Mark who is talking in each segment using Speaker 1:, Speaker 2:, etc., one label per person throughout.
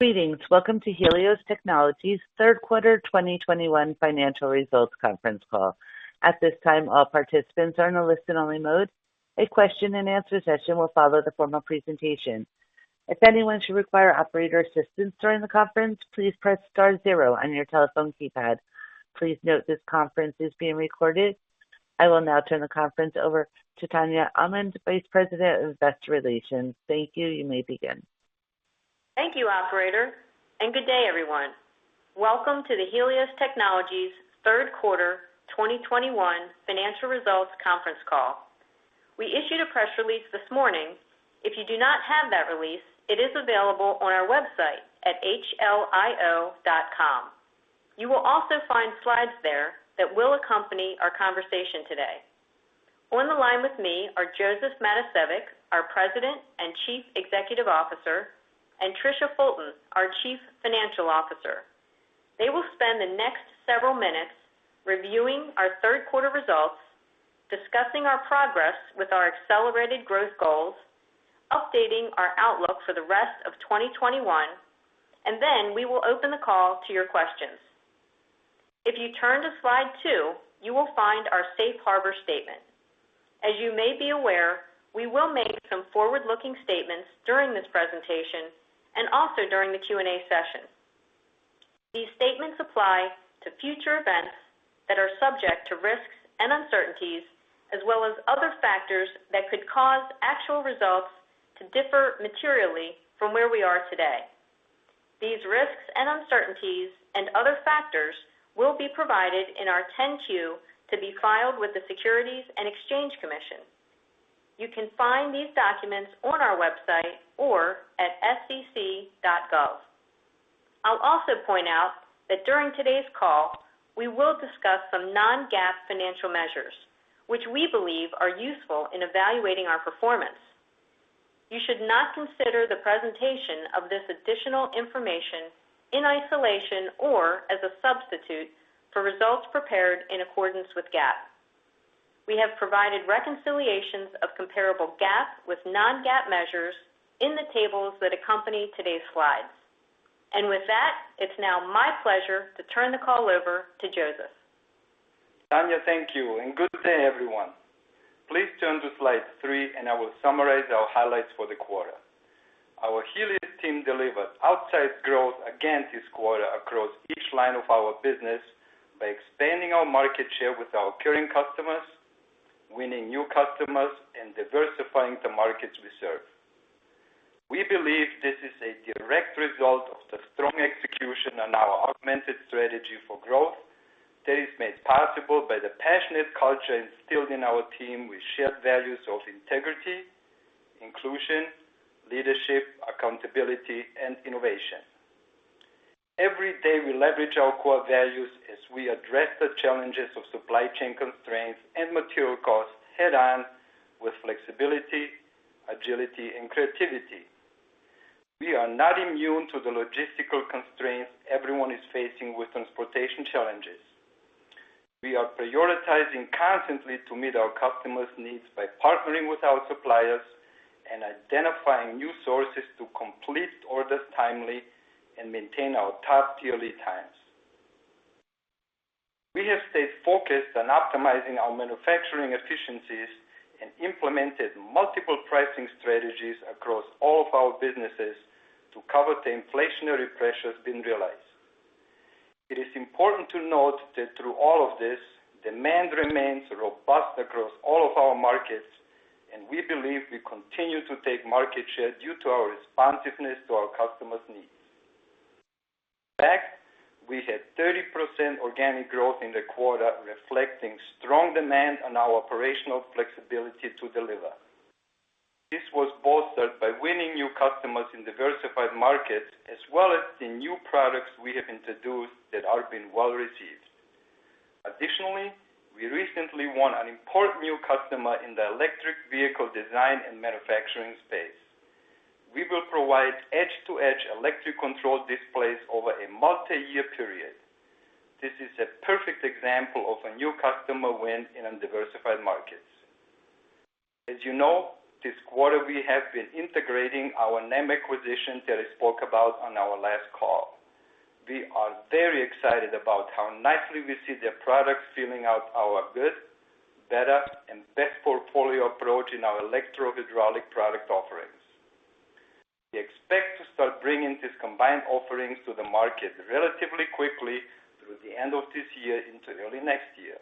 Speaker 1: Greetings. Welcome to Helios Technologies Q3 2021 Financial Results Conference Call. At this time, all participants are in a listen-only mode. A question-and-answer session will follow the formal presentation. If anyone should require operator assistance during the conference, please press star zero on your telephone keypad. Please note this conference is being recorded. I will now turn the conference over to Tania Almond, Vice President of Investor Relations. Thank you. You may begin.
Speaker 2: Thank you, operator, and good day, everyone. Welcome to the Helios Technologies Q3 2021 Financial Results conference call. We issued a press release this morning. If you do not have that release, it is available on our website at hlio.com. You will also find slides there that will accompany our conversation today. On the line with me are Josef Matosevic, our President and Chief Executive Officer, and Tricia Fulton, our Chief Financial Officer. They will spend the next several minutes reviewing our Q3 results, discussing our progress with our accelerated growth goals, updating our outlook for the rest of 2021, and then we will open the call to your questions. If you turn to slide two, you will find our safe harbor statement. As you may be aware, we will make some forward-looking statements during this presentation and also during the Q&A session. These statements apply to future events that are subject to risks and uncertainties, as well as other factors that could cause actual results to differ materially from where we are today. These risks and uncertainties and other factors will be provided in our 10-Q to be filed with the Securities and Exchange Commission. You can find these documents on our website or at sec.gov. I'll also point out that during today's call, we will discuss some non-GAAP financial measures which we believe are useful in evaluating our performance. You should not consider the presentation of this additional information in isolation or as a substitute for results prepared in accordance with GAAP. We have provided reconciliations of comparable GAAP with non-GAAP measures in the tables that accompany today's slides. With that, it's now my pleasure to turn the call over to Josef.
Speaker 3: Tania, thank you, and good day, everyone. Please turn to slide three, and I will summarize our highlights for the quarter. Our Helios team delivered outsized growth again this quarter across each line of our business by expanding our market share with our current customers, winning new customers, and diversifying the markets we serve. We believe this is a direct result of the strong execution on our augmented strategy for growth that is made possible by the passionate culture instilled in our team with shared values of integrity, inclusion, leadership, accountability, and innovation. Every day, we leverage our core values as we address the challenges of supply chain constraints and material costs head on with flexibility, agility, and creativity. We are not immune to the logistical constraints everyone is facing with transportation challenges. We are prioritizing constantly to meet our customers' needs by partnering with our suppliers and identifying new sources to complete orders timely and maintain our top lead times. We have stayed focused on optimizing our manufacturing efficiencies and implemented multiple pricing strategies across all of our businesses to cover the inflationary pressures being realized. It is important to note that through all of this, demand remains robust across all of our markets, and we believe we continue to take market share due to our responsiveness to our customers' needs. We had 30% organic growth in the quarter, reflecting strong demand and our operational flexibility to deliver. This was bolstered by winning new customers in diversified markets, as well as the new products we have introduced that are being well-received. Additionally, we recently won an important new customer in the electric vehicle design and manufacturing space. We will provide edge-to-edge electric control displays over a multi-year period. This is a perfect example of a new customer win in diversified markets. As you know, this quarter we have been integrating our NEM acquisition that I spoke about on our last call. We are very excited about how nicely we see their products filling out our good, better, and best portfolio approach in our electro-hydraulic product offerings. We expect to start bringing these combined offerings to the market relatively quickly through the end of this year into early next year.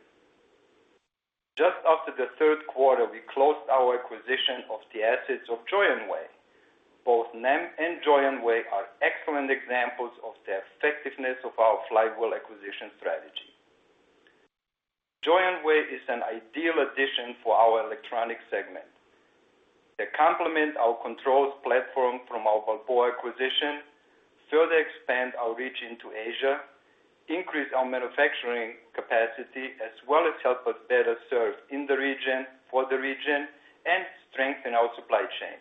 Speaker 3: Just after the Q3, we closed our acquisition of the assets of Joyonway. Both NEM and Joyonway are excellent examples of the effectiveness of our flywheel acquisition strategy. Joyonway is an ideal addition for our electronic segment. They complement our controls platform from our Balboa acquisition, further expand our reach into Asia, increase our manufacturing capacity, as well as help us better serve in the region, for the region, and strengthen our supply chain.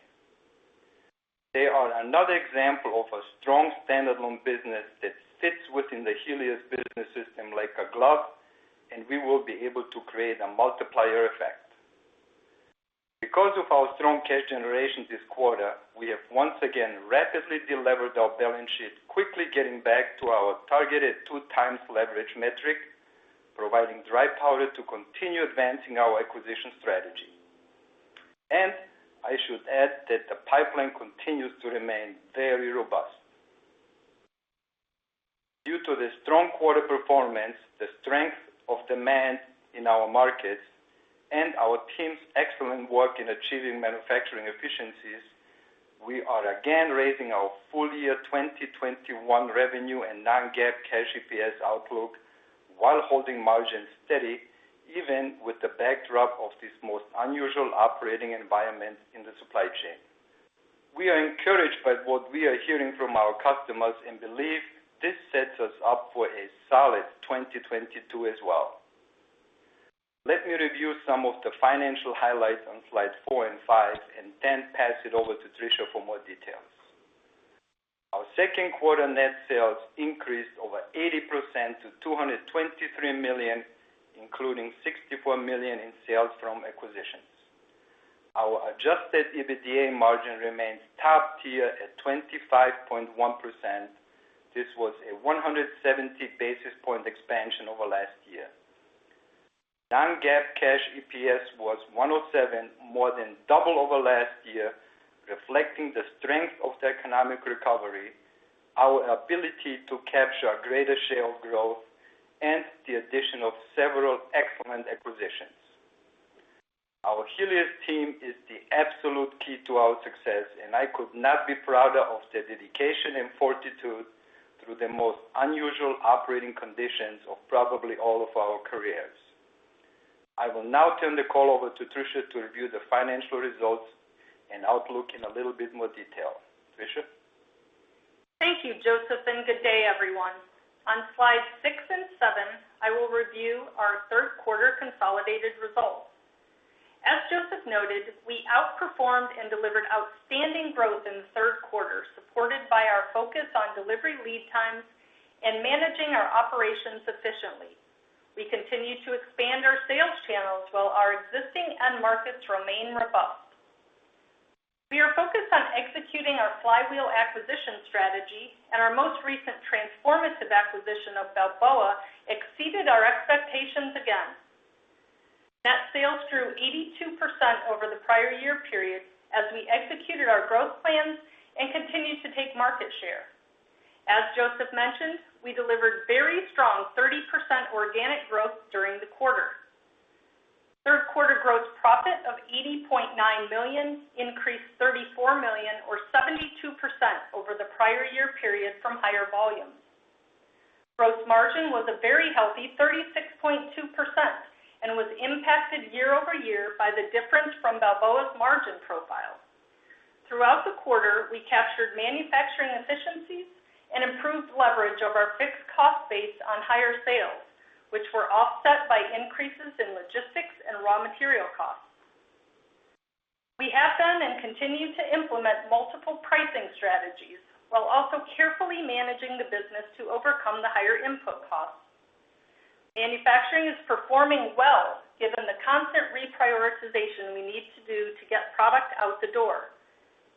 Speaker 3: They are another example of a strong standalone business that fits within the Helios business system like a glove, and we will be able to create a multiplier effect. Because of our strong cash generation this quarter, we have once again rapidly delevered our balance sheet, quickly getting back to our targeted 2 times leverage metric, providing dry powder to continue advancing our acquisition strategy. I should add that the pipeline continues to remain very robust. Due to the strong quarter performance, the strength of demand in our markets, and our team's excellent work in achieving manufacturing efficiencies, we are again raising our full year 2021 revenue and non-GAAP cash EPS outlook while holding margins steady, even with the backdrop of this most unusual operating environment in the supply chain. We are encouraged by what we are hearing from our customers and believe this sets us up for a solid 2022 as well. Let me review some of the financial highlights on slides four and five, and then pass it over to Tricia for more details. Our Q2 net sales increased over 80% to $223 million, including $64 million in sales from acquisitions. Our adjusted EBITDA margin remains top tier at 25.1%. This was a 170 basis point expansion over last year. Non-GAAP cash EPS was 1.07, more than double over last year, reflecting the strength of the economic recovery, our ability to capture a greater share of growth, and the addition of several excellent acquisitions. Our Helios team is the absolute key to our success, and I could not be prouder of their dedication and fortitude through the most unusual operating conditions of probably all of our careers. I will now turn the call over to Tricia to review the financial results and outlook in a little bit more detail. Tricia?
Speaker 4: Thank you, Josef, and good day, everyone. On slides six and seven, I will review our Q3 consolidated results. As Josef noted, we outperformed and delivered outstanding growth in the Q3, supported by our focus on delivery lead times and managing our operations efficiently. We continue to expand our sales channels while our existing end markets remain robust. We are focused on executing our flywheel acquisition strategy, and our most recent transformative acquisition of Balboa exceeded our expectations again. Net sales grew 82% over the prior year period as we executed our growth plans and continued to take market share. As Josef mentioned, we delivered very strong 30% organic growth during the quarter. Q3 gross profit of $80.9 million increased $34 million or 72% over the prior year period from higher volumes. Gross margin was a very healthy 36.2% and was impacted year-over-year by the difference from Balboa's margin profile. Throughout the quarter, we captured manufacturing efficiencies and improved leverage of our fixed cost base on higher sales, which were offset by increases in logistics and raw material costs. We have done and continue to implement multiple pricing strategies while also carefully managing the business to overcome the higher input costs. Manufacturing is performing well given the constant reprioritization we need to do to get product out the door.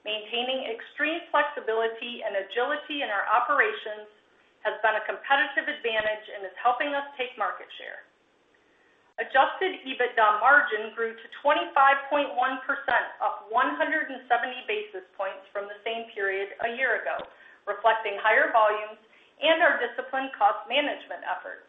Speaker 4: Maintaining extreme flexibility and agility in our operations has been a competitive advantage and is helping us take market share. Adjusted EBITDA margin grew to 25.1%, up 170 basis points from the same period a year ago, reflecting higher volumes and our disciplined cost management efforts.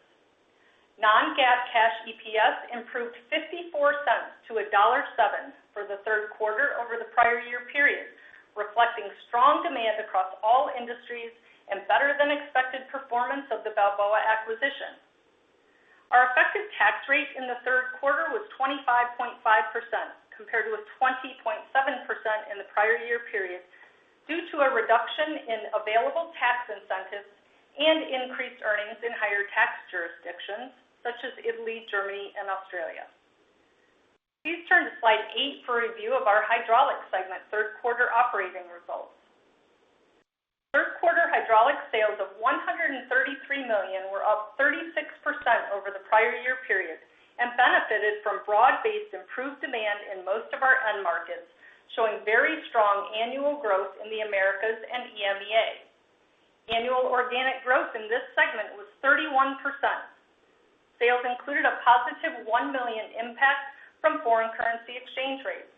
Speaker 4: Non-GAAP cash EPS improved $0.54 to $1.07 for the Q3 over the prior year period, reflecting strong demand across all industries and better than expected performance of the Balboa acquisition. Our effective tax rate in the Q3 was 25.5% compared to a 20.7% in the prior year period due to a reduction in available tax incentives and increased earnings in higher tax jurisdictions such as Italy, Germany, and Australia. Please turn to slide eight for a review of our Hydraulics segment Q3 operating results. Q3 Hydraulics sales of $133 million were up 36% over the prior year period and benefited from broad-based improved demand in most of our end markets, showing very strong annual growth in the Americas and EMEA. Annual organic growth in this segment was 31%. Sales included a positive $1 million impact from foreign currency exchange rates.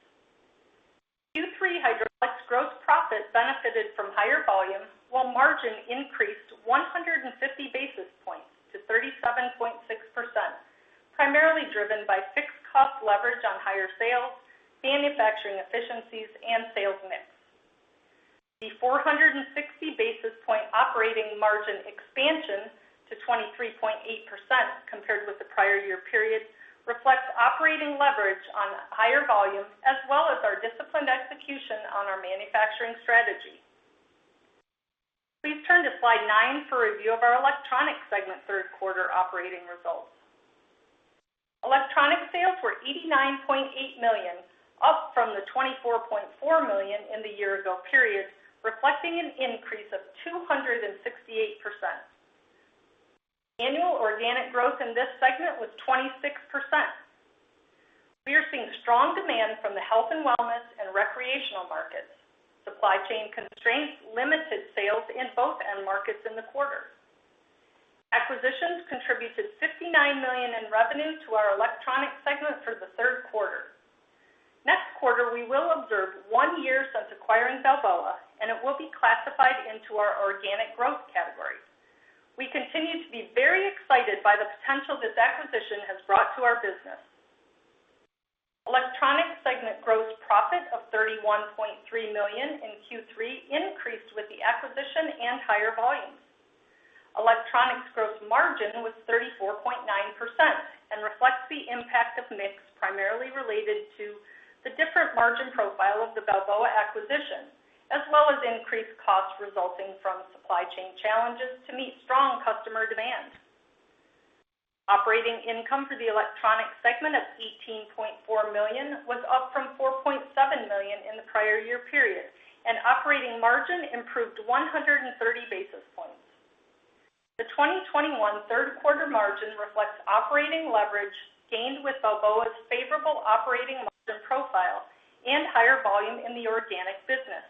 Speaker 4: Q3 Hydraulics gross profit benefited from higher volumes while margin increased 150 basis points to 37.6%, primarily driven by fixed cost leverage on higher sales, manufacturing efficiencies, and sales mix. The 460 basis point operating margin expansion to 23.8% compared with the prior year period reflects operating leverage on higher volumes as well as our disciplined execution on our manufacturing strategy. Please turn to slide nine for a review of our Electronics segment Q3 operating results. Electronics sales were $89.8 million, up from the $24.4 million in the year ago period, reflecting an increase of 268%. Annual organic growth in this segment was 26%. We are seeing strong demand from the health and wellness and recreational markets. Supply chain constraints limited sales in both end markets in the quarter. Acquisitions contributed $59 million in revenue to our Electronics segment for the Q3. Next quarter, we will observe one year since acquiring Balboa, and it will be classified into our organic growth category. We continue to be very excited by the potential this acquisition has brought to our business. Electronics segment gross profit of $31.3 million in Q3 increased with the acquisition and higher volumes. Electronics gross margin was 34.9% and reflects the impact of mix primarily related to the different margin profile of the Balboa acquisition, as well as increased costs resulting from supply chain challenges to meet strong customer demands. Operating income for the Electronics segment of $18.4 million was up from $4.7 million in the prior year period, and operating margin improved 130 basis points. The 2021 Q3 margin reflects operating leverage gained with Balboa's favorable operating margin profile and higher volume in the organic business.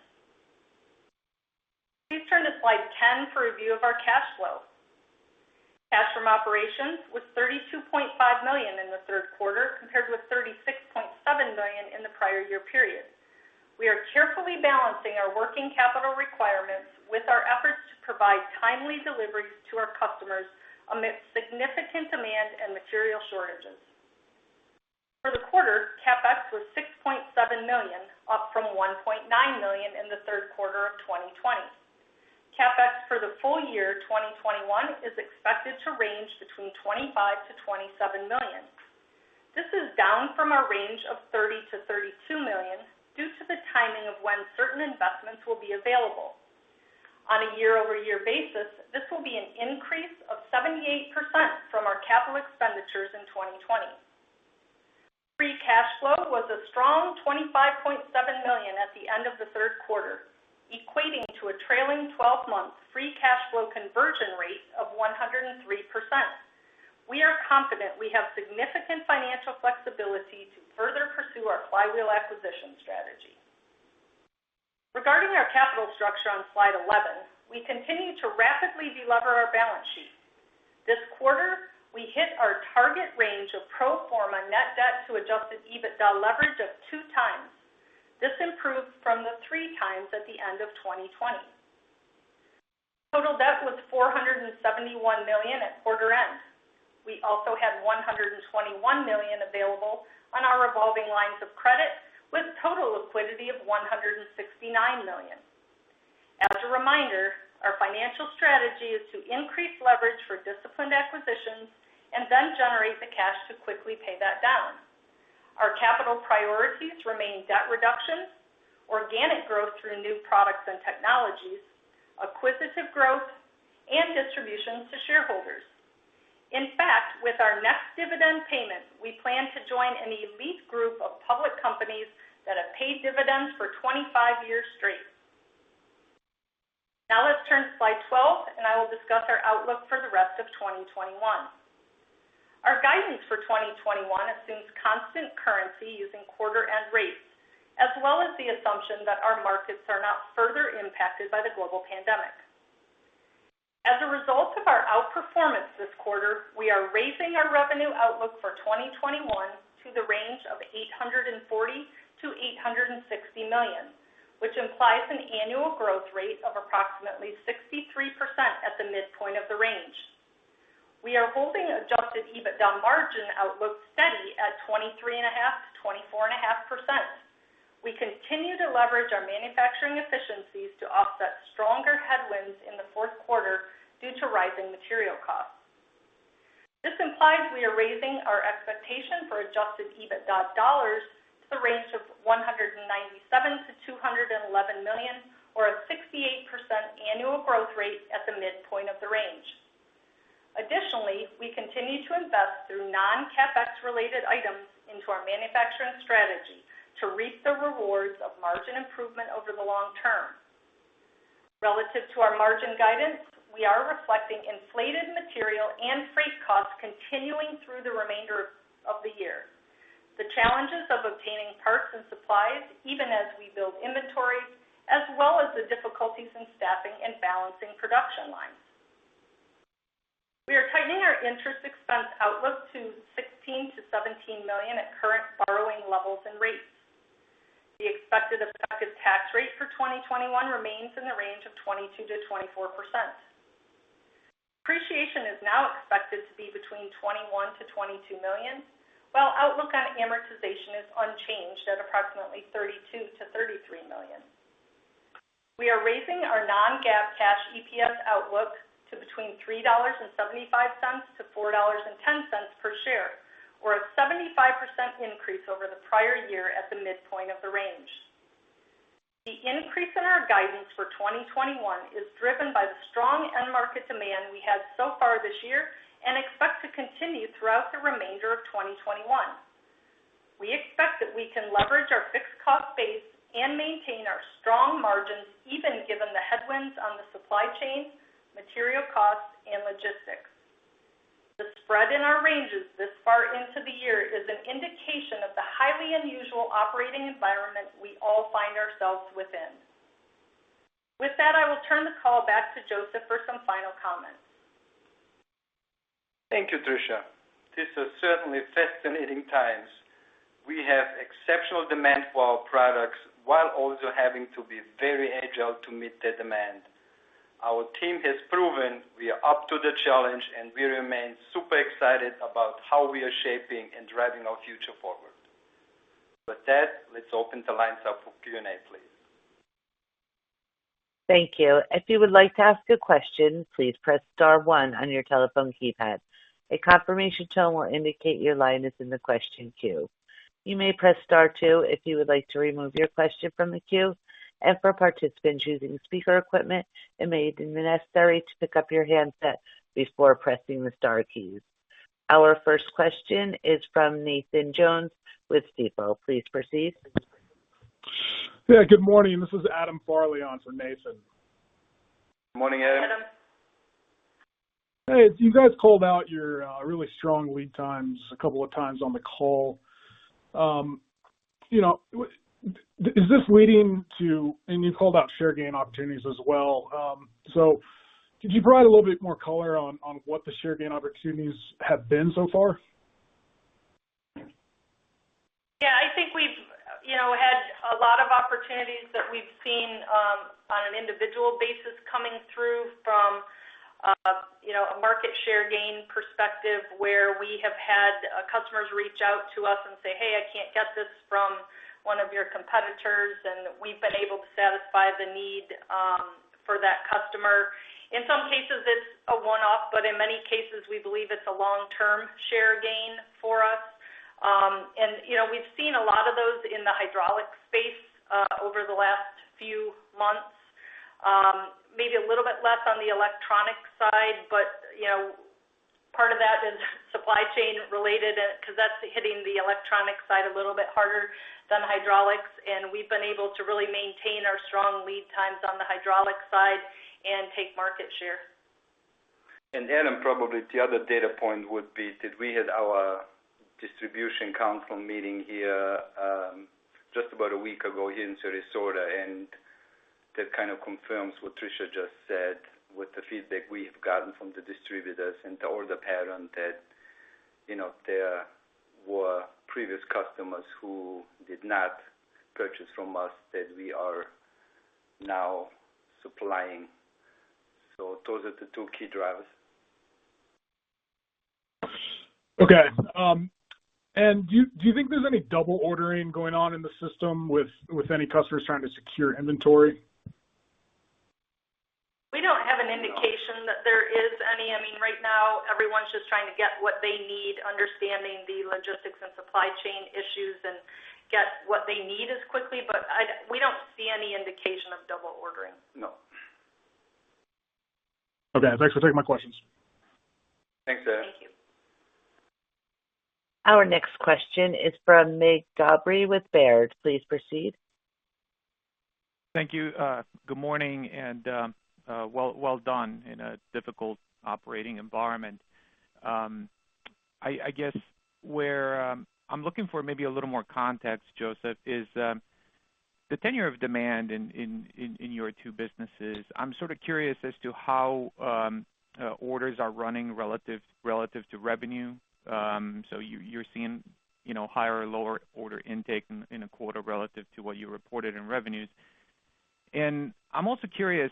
Speaker 4: Please turn to slide 10 for a view of our cash flow. Cash from operations was $32.5 million in the Q3 compared with $36.7 million in the prior year period. We are carefully balancing our working capital requirements with our efforts to provide timely deliveries to our customers amidst significant demand and material shortages. For the quarter, CapEx was $6.7 million, up from $1.9 million in the Q3 of 2020. CapEx for the full year 2021 is expected to range between $25 million-$27 million. This is down from a range of $30 million-$32 million due to the timing of when certain investments will be available. On a year-over-year basis, this will be an increase of 78% from our capital expenditures in 2020. Free cash flow was a strong $25.7 million at the end of the Q3, equating to a trailing 12-month free cash flow conversion rate of 103%. We are confident we have significant financial flexibility to further pursue our flywheel acquisition strategy. Regarding our capital structure on Slide 11, we continue to rapidly de-lever our balance sheet. This quarter, we hit our target range of pro forma net debt to adjusted EBITDA leverage of 2 times. This improved from the 3 times at the end of 2020. Total debt was $471 million at quarter end. We also had $121 million available on our revolving lines of credit, with total liquidity of $169 million. As a reminder, our financial strategy is to increase leverage for disciplined acquisitions and then generate the cash to quickly pay that down. Our capital priorities remain debt reduction, organic growth through new products and technologies, acquisitive growth, and distributions to shareholders. In fact, with our next dividend payment, we plan to join an elite group of public companies that have paid dividends for 25 years straight. Now let's turn to slide 12 and I will discuss our outlook for the rest of 2021. Our guidance for 2021 assumes constant currency using quarter end rates, as well as the assumption that our markets are not further impacted by the global pandemic. As a result of our outperformance this quarter, we are raising our revenue outlook for 2021 to the range of $840 million-$860 million, which implies an annual growth rate of approximately 63% at the midpoint of the range. We are holding adjusted EBITDA margin outlook steady at 23.5%-24.5%. We continue to leverage our manufacturing efficiencies to offset stronger headwinds in the Q4 due to rising material costs. This implies we are raising our expectation for adjusted EBITDA dollars to the range of $197 million-$211 million or a 68% annual growth rate at the midpoint of the range. Additionally, we continue to invest through non-CapEx related items into our manufacturing strategy to reap the rewards of margin improvement over the long term. Relative to our margin guidance, we are reflecting inflated material and freight costs continuing through the remainder of the year, the challenges of obtaining parts and supplies, even as we build inventories, as well as the difficulties in staffing and balancing production lines. We are tightening our interest expense outlook to $16 million-$17 million at current borrowing levels and rates. The expected effective tax rate for 2021 remains in the range of 22%-24%. Depreciation is now expected to be between $21 million-$22 million, while outlook on amortization is unchanged at approximately $32 million-$33 million. We are raising our non-GAAP cash EPS outlook to between $3.75-$4.10 per share, or a 75% increase over the prior year at the midpoint of the range. The increase in our guidance for 2021 is driven by the strong end market demand we had so far this year to continue throughout the remainder of 2021. We expect that we can leverage our fixed cost base and maintain our strong margins, even given the headwinds on the supply chain, material costs, and logistics. The spread in our ranges this far into the year is an indication of the highly unusual operating environment we all find ourselves within. With that, I will turn the call back to Josef for some final comments.
Speaker 3: Thank you, Tricia. These are certainly fascinating times. We have exceptional demand for our products while also having to be very agile to meet the demand. Our team has proven we are up to the challenge, and we remain super excited about how we are shaping and driving our future forward. With that, let's open the lines up for Q&A, please.
Speaker 1: Thank you. If you would like to ask a question, please press star one on your telephone keypad. A confirmation tone will indicate your line is in the question queue. You may press star two if you would like to remove your question from the queue. For participants using speaker equipment, it may be necessary to pick up your handset before pressing the star keys. Our first question is from Nathan Jones with Stifel. Please proceed.
Speaker 5: Yeah, good morning. This is Adam Farley on for Nathan.
Speaker 3: Morning, Adam.
Speaker 4: Adam.
Speaker 5: Hey, you guys called out your really strong lead times a couple of times on the call. You called out share gain opportunities as well. Could you provide a little bit more color on what the share gain opportunities have been so far?
Speaker 4: Yeah, I think we've, you know, had a lot of opportunities that we've seen on an individual basis coming through from, you know, a market share gain perspective where we have had customers reach out to us and say, "Hey, I can't get this from one of your competitors," and we've been able to satisfy the need for that customer. In some cases, it's a one-off, but in many cases, we believe it's a long-term share gain for us. And, you know, we've seen a lot of those in the Hydraulics space over the last few months. Maybe a little bit less on the Electronics side, but, you know, part of that is supply chain related because that's hitting the Electronics side a little bit harder than Hydraulics. We've been able to really maintain our strong lead times on the Hydraulics side and take market share.
Speaker 3: Adam, probably the other data point would be that we had our distribution council meeting here, just about a week ago here in Sarasota, and that kind of confirms what Tricia just said with the feedback we have gotten from the distributors and the order pattern that, you know, there were previous customers who did not purchase from us that we are now supplying. Those are the two key drivers.
Speaker 5: Okay. Do you think there's any double ordering going on in the system with any customers trying to secure inventory?
Speaker 4: We don't have an indication that there is any. I mean, right now everyone's just trying to get what they need, understanding the logistics and supply chain issues, and get what they need as quickly. We don't see any indication of double ordering.
Speaker 3: No.
Speaker 5: Okay. Thanks for taking my questions.
Speaker 3: Thanks, Adam.
Speaker 4: Thank you.
Speaker 1: Our next question is from Mig Dobre with Baird. Please proceed.
Speaker 6: Thank you. Good morning, and well done in a difficult operating environment. I guess where I'm looking for maybe a little more context, Josef, is the tenor of demand in your two businesses. I'm sort of curious as to how orders are running relative to revenue. So you're seeing, you know, higher or lower order intake in a quarter relative to what you reported in revenues. I'm also curious,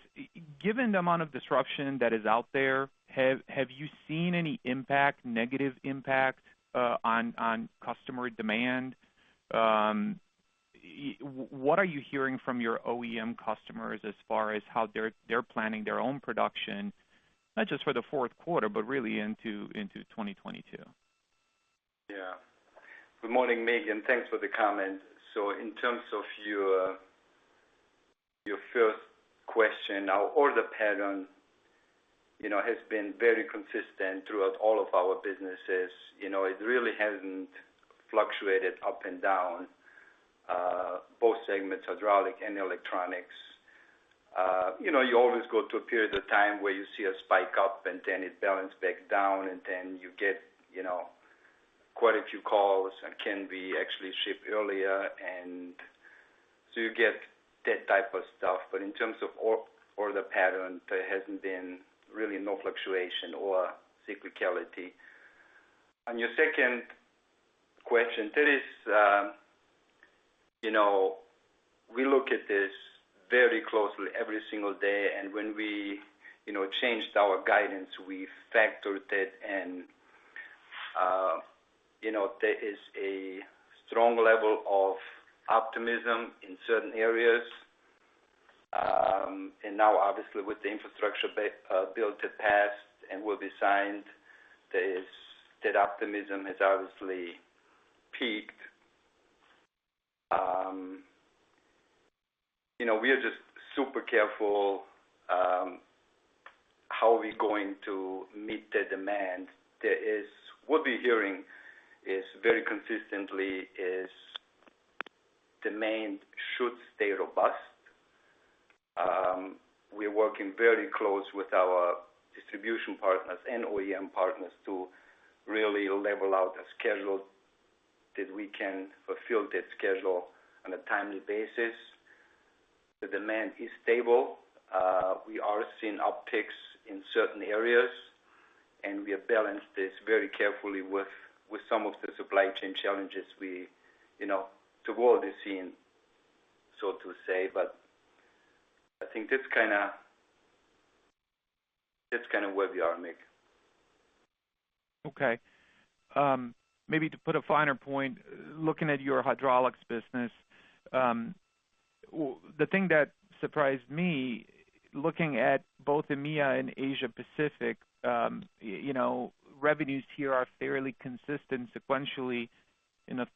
Speaker 6: given the amount of disruption that is out there, have you seen any impact, negative impact, on customer demand? What are you hearing from your OEM customers as far as how they're planning their own production, not just for the Q4, but really into 2022?
Speaker 3: Yeah. Good morning, Mig, and thanks for the comment. In terms of your first question, our order pattern, you know, has been very consistent throughout all of our businesses. You know, it really hasn't fluctuated up and down, both segments, Hydraulics and Electronics. You know, you always go through a period of time where you see a spike up and then it balance back down, and then you get, you know, quite a few calls and can we actually ship earlier. You get that type of stuff. But in terms of order pattern, there hasn't been really no fluctuation or cyclicality. On your second question, there is, you know, we look at this very closely every single day. When we, you know, changed our guidance, we factored it and, you know, there is a strong level of optimism in certain areas. Now obviously with the infrastructure bill to pass and will be signed, that optimism has obviously peaked. You know, we are just super careful how we're going to meet the demand. What we're hearing very consistently is that demand should stay robust. We're working very closely with our distribution partners and OEM partners to really level out a schedule that we can fulfill that schedule on a timely basis. The demand is stable. We are seeing upticks in certain areas, and we have balanced this very carefully with some of the supply chain challenges, you know, the world is seeing, so to speak. I think that's kinda where we are, Mig.
Speaker 6: Okay. Maybe to put a finer point, looking at your Hydraulics business, the thing that surprised me, looking at both EMEA and Asia Pacific, you know, revenues here are fairly consistent sequentially in the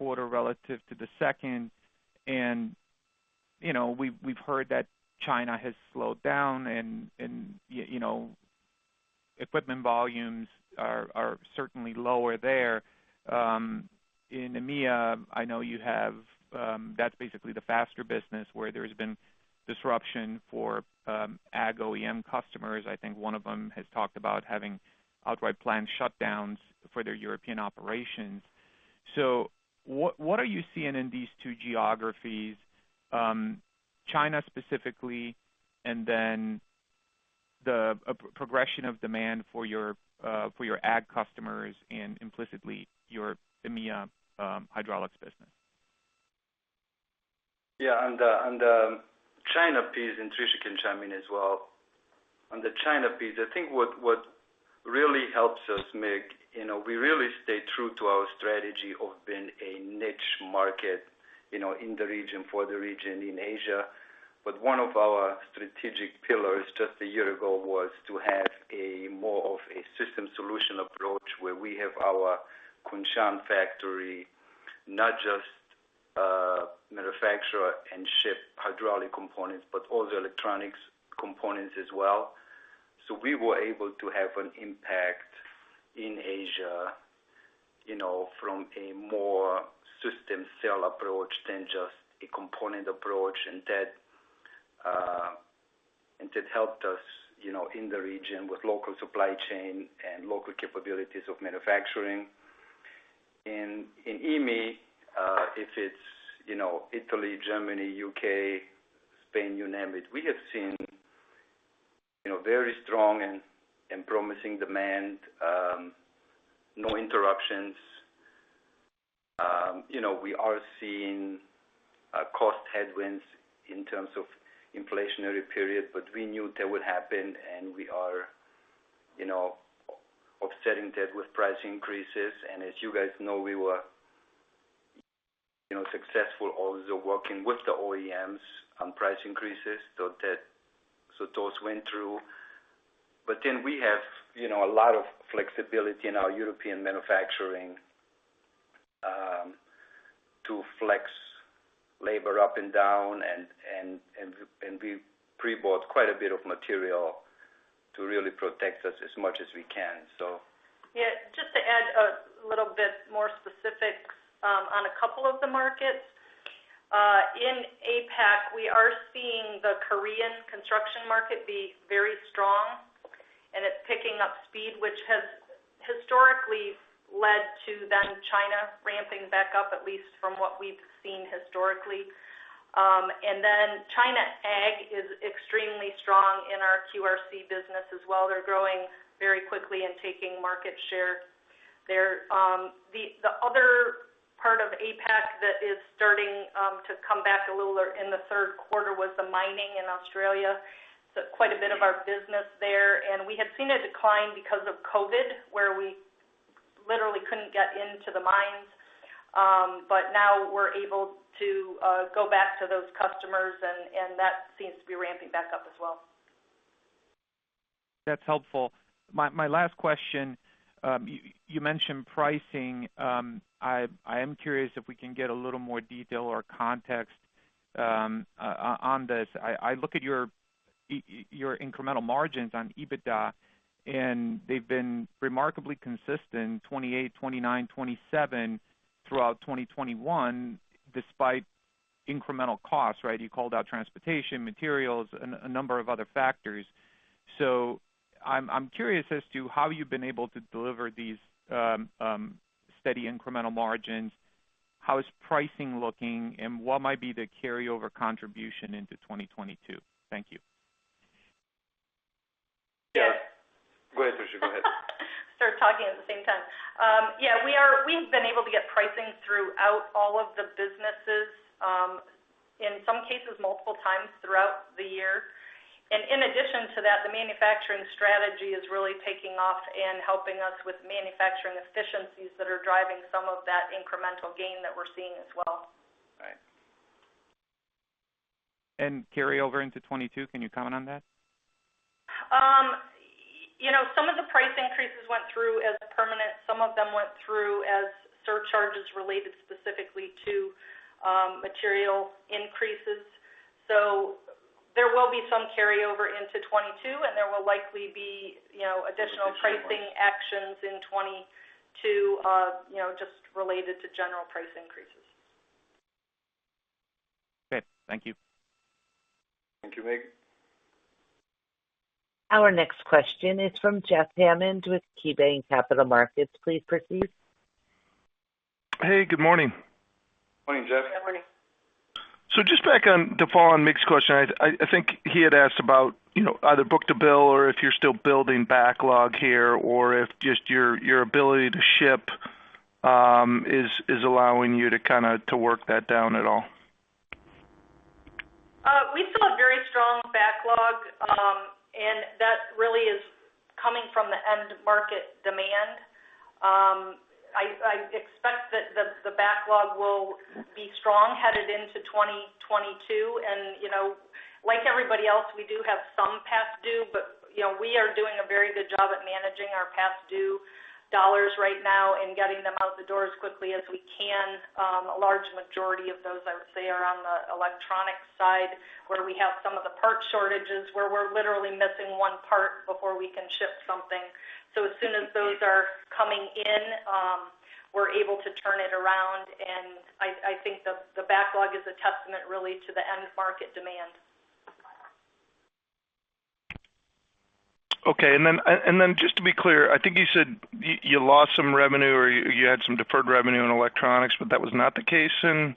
Speaker 6: Q3 relative to the second. You know, we've heard that China has slowed down and you know, equipment volumes are certainly lower there. In EMEA, I know you have, that's basically the faster business where there's been disruption for ag OEM customers. I think one of them has talked about having outright planned shutdowns for their European operations. What are you seeing in these two geographies, China specifically, and then the progression of demand for your ag customers and implicitly your EMEA Hydraulics business?
Speaker 3: Yeah. On the China piece, Tricia can chime in as well. On the China piece, I think what really helps us, Mig, you know, we really stay true to our strategy of being a niche market, you know, in the region, for the region in Asia. One of our strategic pillars just a year ago was to have more of a system solution approach where we have our Kunshan factory, not just manufacture and ship hydraulic components, but also electronics components as well. We were able to have an impact in Asia, you know, from a more system solution approach than just a component approach. That helped us, you know, in the region with local supply chain and local capabilities of manufacturing. In EMEA, if it's, you know, Italy, Germany, U.K., Spain, you name it, we have seen, you know, very strong and promising demand, no interruptions. You know, we are seeing cost headwinds in terms of inflationary period, but we knew that would happen, and we are, you know, offsetting that with price increases. As you guys know, we were, you know, successful also working with the OEMs on price increases so that those went through. We have, you know, a lot of flexibility in our European manufacturing to flex labor up and down and we pre-bought quite a bit of material to really protect us as much as we can.
Speaker 4: Just to add a little bit more specific on a couple of the markets. In APAC, we are seeing the Korean construction market be very strong, and it's picking up speed, which has historically led to then China ramping back up, at least from what we've seen historically. China ag is extremely strong in our QRC business as well. They're growing very quickly and taking market share. The other part of APAC that is starting to come back a little in the Q3 was the mining in Australia. Quite a bit of our business there. We had seen a decline because of COVID, where we literally couldn't get into the mines. Now we're able to go back to those customers and that seems to be ramping back up as well.
Speaker 6: That's helpful. My last question, you mentioned pricing. I am curious if we can get a little more detail or context on this. I look at your incremental margins on EBITDA, and they've been remarkably consistent, 28%, 29%, 27% throughout 2021, despite incremental costs, right? You called out transportation, materials, and a number of other factors. I'm curious as to how you've been able to deliver these steady incremental margins. How is pricing looking, and what might be the carryover contribution into 2022? Thank you.
Speaker 3: Yeah. Go ahead, Tricia. Go ahead.
Speaker 4: We've been able to get pricing throughout all of the businesses, in some cases multiple times throughout the year. In addition to that, the manufacturing strategy is really taking off and helping us with manufacturing efficiencies that are driving some of that incremental gain that we're seeing as well.
Speaker 6: Right. Carry over into 2022, can you comment on that?
Speaker 4: You know, some of the price increases went through as permanent. Some of them went through as surcharges related specifically to material increases. There will be some carryover into 2022, and there will likely be, you know, additional pricing actions in 2022, you know, just related to general price increases.
Speaker 6: Okay. Thank you.
Speaker 3: Thank you, Mig.
Speaker 1: Our next question is from Jeff Hammond with KeyBanc Capital Markets. Please proceed.
Speaker 7: Hey, good morning.
Speaker 3: Morning, Jeff.
Speaker 4: Good morning.
Speaker 7: Just back on to follow on Mig's question. I think he had asked about, you know, either book to bill or if you're still building backlog here or if just your ability to ship is allowing you to kind of to work that down at all.
Speaker 4: We saw a very strong backlog, and that really is coming from the end market demand. I expect that the backlog will be strong headed into 2022. You know, like everybody else, we do have some past due, but, you know, we are doing a very good job at managing our past due dollars right now and getting them out the door as quickly as we can. A large majority of those, I would say, are on the electronic side, where we have some of the part shortages, where we're literally missing one part before we can ship something. As soon as those are coming in, we're able to turn it around. I think the backlog is a testament really to the end market demand.
Speaker 7: Okay. Just to be clear, I think you said you lost some revenue or you had some deferred revenue in Electronics, but that was not the case in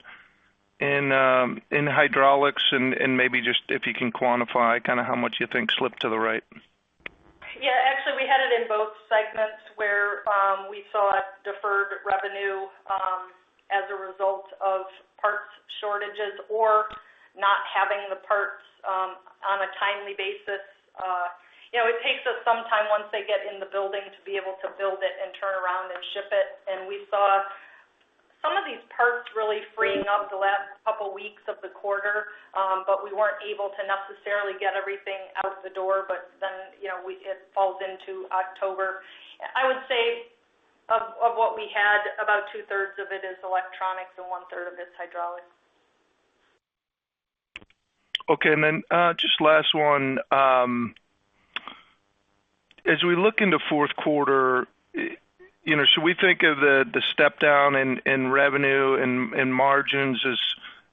Speaker 7: Hydraulics. Maybe just if you can quantify kind of how much you think slipped to the right?
Speaker 4: Yeah. Actually, we had it in both segments where we saw a deferred revenue as a result of parts shortages or not having the parts on a timely basis. You know, it takes us some time once they get in the building to be able to build it and turn around and ship it. We saw some of these parts really freeing up the last couple weeks of the quarter, but we weren't able to necessarily get everything out the door. Then, you know, it falls into October. I would say of what we had, about two-third of it is Electronics and one-third of it is Hydraulics.
Speaker 7: Okay. Then, just last one. As we look into Q4, you know, should we think of the step down in revenue and margins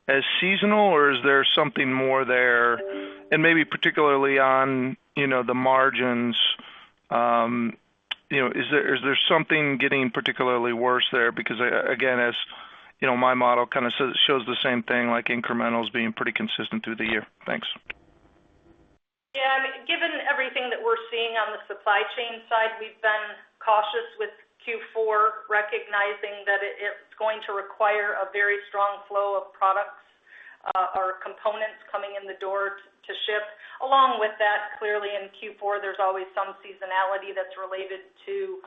Speaker 7: as seasonal, or is there something more there? Maybe particularly on the margins, is there something getting particularly worse there? Because, again, as you know, my model kind of shows the same thing, like incrementals being pretty consistent through the year. Thanks.
Speaker 4: I mean, given everything that we're seeing on the supply chain side, we've been cautious with Q4, recognizing that it's going to require a very strong flow of products or components coming in the door to ship. Along with that, clearly in Q4, there's always some seasonality that's related to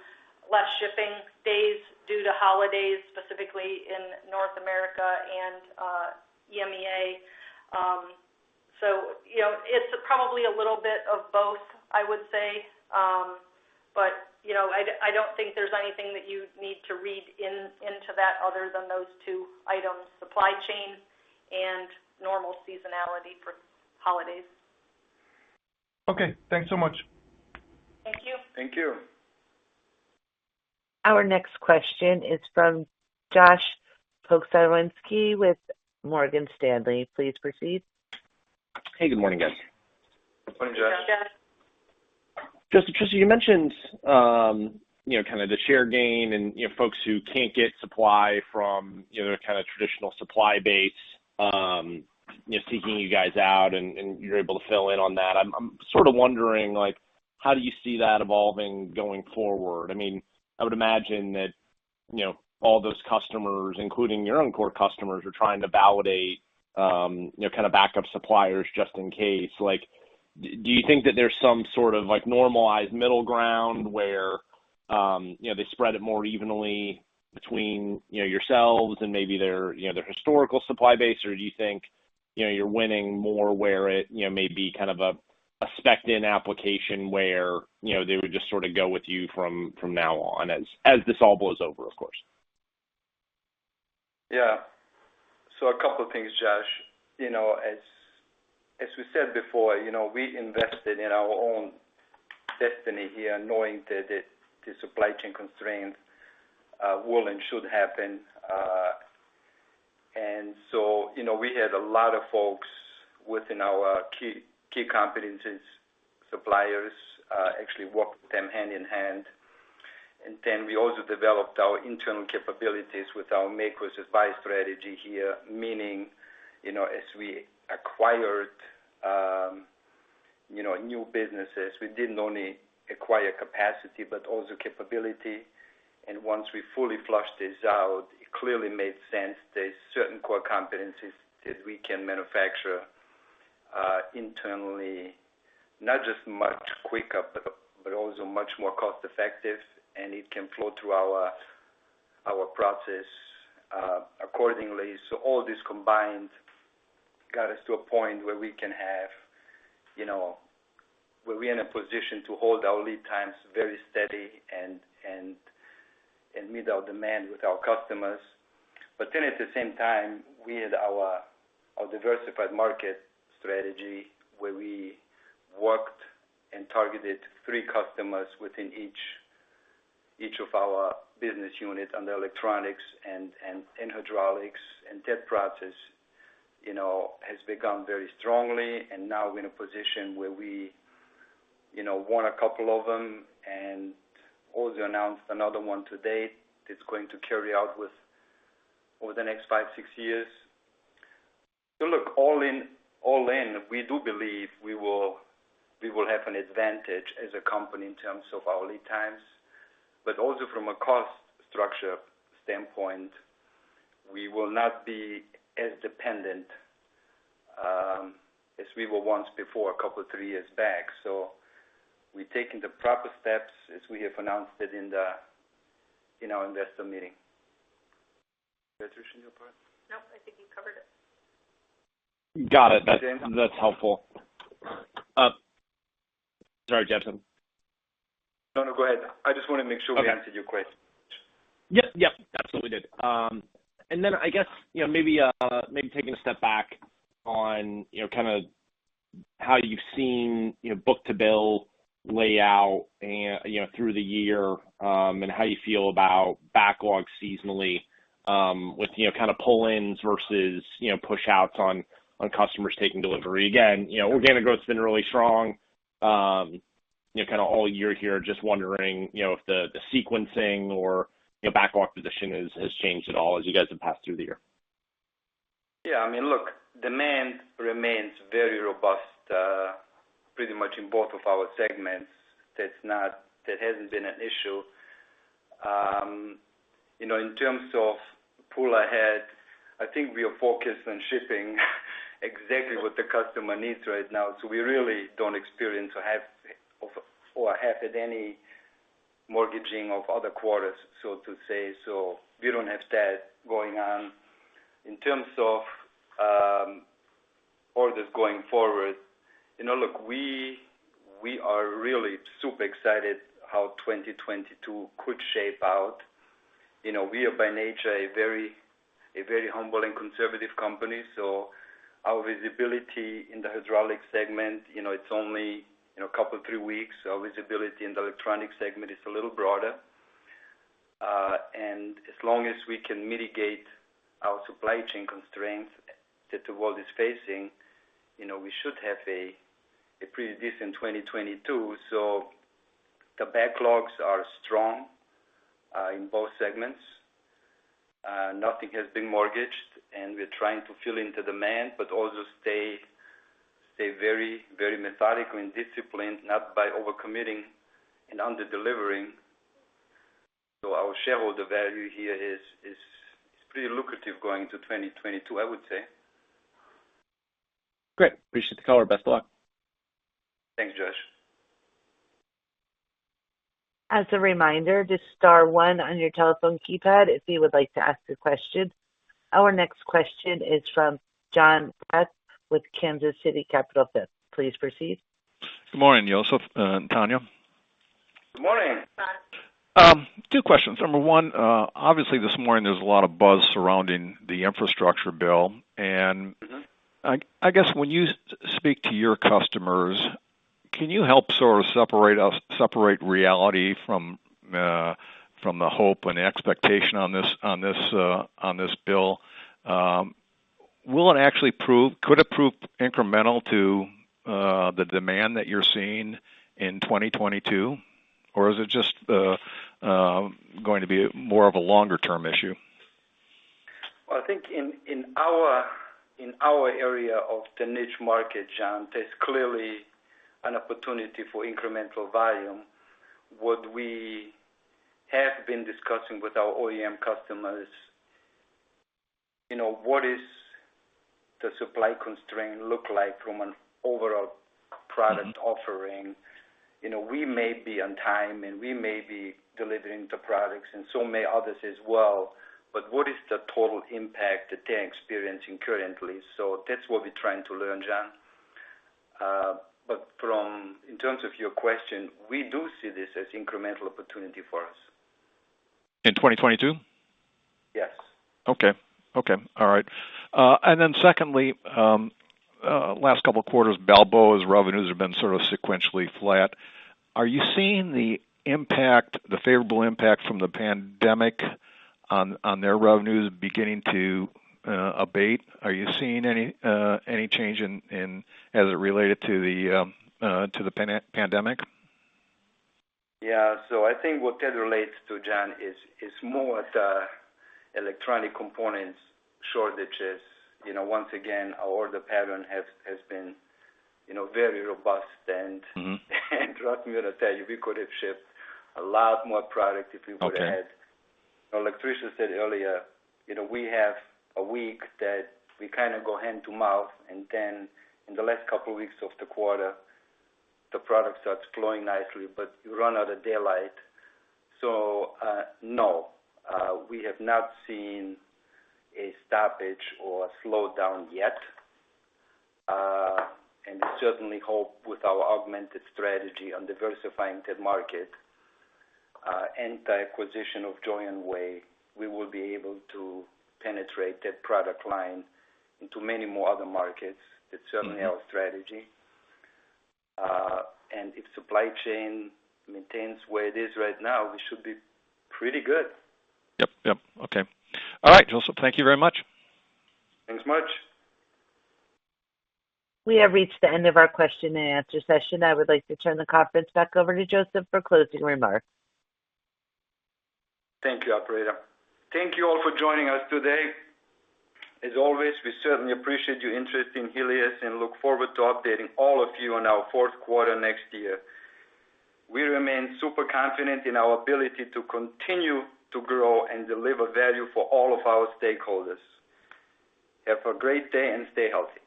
Speaker 4: less shipping days due to holidays, specifically in North America and EMEA. You know, it's probably a little bit of both, I would say. You know, I don't think there's anything that you need to read into that other than those two items, supply chain and normal seasonality for holidays.
Speaker 7: Okay. Thanks so much.
Speaker 4: Thank you.
Speaker 3: Thank you.
Speaker 1: Our next question is from Josh Pokrzywinski with Morgan Stanley. Please proceed.
Speaker 8: Hey, good morning, guys.
Speaker 3: Morning, Josh.
Speaker 4: Good morning, Josh.
Speaker 8: Just, Tricia, you mentioned, you know, kind of the share gain and, you know, folks who can't get supply from, you know, their kind of traditional supply base, you know, seeking you guys out, and you're able to fill in on that. I'm sort of wondering, like, how do you see that evolving going forward? I mean, I would imagine that, you know, all those customers, including your own core customers, are trying to validate, you know, kind of backup suppliers just in case. Like, do you think that there's some sort of, like, normalized middle ground where, you know, they spread it more evenly between, you know, yourselves and maybe their, you know, their historical supply base? Do you think, you know, you're winning more where it, you know, may be kind of a spec-ed in application where, you know, they would just sort of go with you from now on as this all blows over, of course?
Speaker 3: Yeah. A couple of things, Josh. You know, as we said before, you know, we invested in our own destiny here knowing that the supply chain constraints will and should happen. You know, we had a lot of folks within our key competencies, suppliers actually worked with them hand in hand. We also developed our internal capabilities with our make versus buy strategy here, meaning, you know, as we acquired, you know, new businesses, we didn't only acquire capacity, but also capability. Once we fully fleshed this out, it clearly made sense. There's certain core competencies that we can manufacture internally, not just much quicker, but also much more cost effective, and it can flow through our process accordingly. All this combined got us to a point where we can have, you know, where we're in a position to hold our lead times very steady and meet our demand with our customers. At the same time, we had our diversified market strategy where we worked and targeted three customers within each of our business units in the Electronics and in Hydraulics. That process, you know, has become very strongly and now we're in a position where we, you know, won a couple of them and also announced another one today that's going to carry out over the next five, six years. Look, all in, we do believe we will have an advantage as a company in terms of our lead times, but also from a cost structure standpoint, we will not be as dependent as we were once before a couple, three years back. We're taking the proper steps as we have announced it in our investor meeting. Tricia, on your part?
Speaker 4: Nope. I think you covered it.
Speaker 8: Got it.
Speaker 3: Okay.
Speaker 8: That's helpful. Sorry, Josef.
Speaker 3: No, no, go ahead. I just wanna make sure.
Speaker 8: Okay.
Speaker 3: We answered your question.
Speaker 8: Yep. Absolutely did. I guess, you know, maybe taking a step back on, you know, kind of how you've seen, you know, book-to-bill lay out and, you know, through the year, and how you feel about backlog seasonally, with, you know, kind of pull-ins versus, you know, push-outs on customers taking delivery. Again, you know, organic growth's been really strong, you know, kind of all year here. Just wondering, you know, if the sequencing or, you know, backlog position has changed at all as you guys have passed through the year.
Speaker 3: Yeah. I mean, look, demand remains very robust pretty much in both of our segments. That hasn't been an issue. You know, in terms of pull ahead, I think we are focused on shipping exactly what the customer needs right now, so we really don't experience or have any mortgaging of other quarters, so to say. We don't have that going on. In terms of orders going forward, you know, look, we are really super excited how 2022 could shape out. You know, we are by nature a very humble and conservative company, so our visibility in the Hydraulics segment, you know, it's only a couple, three weeks. Our visibility in the Electronics segment is a little broader. As long as we can mitigate our supply chain constraints that the world is facing, you know, we should have a pretty decent 2022. The backlogs are strong in both segments. Nothing has been mortgaged, and we're trying to fill in the demand, but also stay very, very methodical and disciplined, not by over-committing and under-delivering. Our shareholder value here is pretty lucrative going to 2022, I would say.
Speaker 8: Great. Appreciate the color. Best of luck.
Speaker 3: Thanks, Josh.
Speaker 1: As a reminder, just star one on your telephone keypad if you would like to ask a question. Our next question is from Jon Braatz with Kansas City Capital Associates. Please proceed.
Speaker 9: Good morning, Josef, and Tania.
Speaker 3: Good morning.
Speaker 4: Hi.
Speaker 9: Two questions. Number one, obviously this morning there's a lot of buzz surrounding the infrastructure bill.
Speaker 3: Mm-hmm.
Speaker 9: I guess when you speak to your customers, can you help sort of separate reality from the hope and expectation on this bill? Could it prove incremental to the demand that you're seeing in 2022? Or is it just going to be more of a longer term issue?
Speaker 3: Well, I think in our area of the niche market, Jon, there's clearly an opportunity for incremental volume. What we have been discussing with our OEM customers, you know, what is the supply constraint look like from an overall product offering? You know, we may be on time, and we may be delivering the products, and so may others as well, but what is the total impact that they're experiencing currently? That's what we're trying to learn, Jon. But in terms of your question, we do see this as incremental opportunity for us.
Speaker 9: In 2022?
Speaker 3: Yes.
Speaker 9: Okay, all right. Secondly, last couple of quarters, Balboa's revenues have been sort of sequentially flat. Are you seeing the impact, the favorable impact from the pandemic on their revenues beginning to abate? Are you seeing any change in it as it relates to the pandemic?
Speaker 3: Yeah. I think what that relates to, Jon, is more the electronic components shortages. You know, once again, our order pattern has been, you know, very robust and-
Speaker 9: Mm-hmm.
Speaker 3: Trust me when I tell you, we could have shipped a lot more product if we would've had-
Speaker 9: Okay.
Speaker 3: Like Tricia said earlier, you know, we have a week that we kinda go hand to mouth, and then in the last couple weeks of the quarter, the product starts flowing nicely, but you run out of daylight. No, we have not seen a stoppage or a slowdown yet. We certainly hope with our augmented strategy on diversifying that market, and the acquisition of Joyonway, we will be able to penetrate that product line into many more other markets. That's certainly our strategy. If supply chain maintains where it is right now, we should be pretty good.
Speaker 9: Yep. Yep. Okay. All right, Josef. Thank you very much.
Speaker 3: Thanks much.
Speaker 1: We have reached the end of our question and answer session. I would like to turn the conference back over to Josef for closing remarks.
Speaker 3: Thank you, operator. Thank you all for joining us today. As always, we certainly appreciate your interest in Helios and look forward to updating all of you on our Q4 next year. We remain super confident in our ability to continue to grow and deliver value for all of our stakeholders. Have a great day and stay healthy.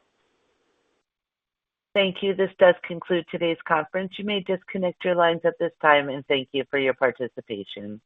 Speaker 1: Thank you. This does conclude today's conference. You may disconnect your lines at this time, and thank you for your participation.